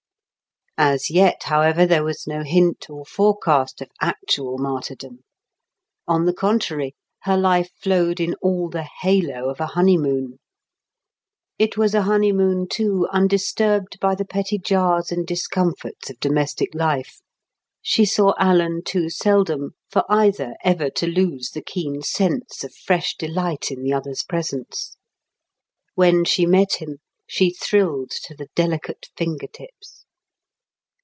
As yet, however, there was no hint or forecast of actual martyrdom. On the contrary, her life flowed in all the halo of a honeymoon. It was a honeymoon, too, undisturbed by the petty jars and discomforts of domestic life; she saw Alan too seldom for either ever to lose the keen sense of fresh delight in the other's presence. When she met him, she thrilled to the delicate fingertips.